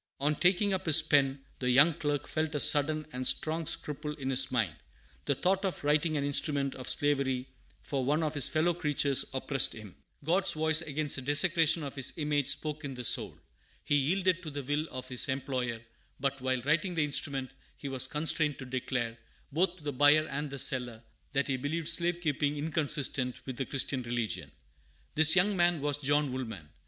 "] On taking up his pen, the young clerk felt a sudden and strong scruple in his mind. The thought of writing an instrument of slavery for one of his fellow creatures oppressed him. God's voice against the desecration of His image spoke in the soul. He yielded to the will of his employer, but, while writing the instrument, he was constrained to declare, both to the buyer and the seller, that he believed slave keeping inconsistent with the Christian religion. This young man was John Woolman.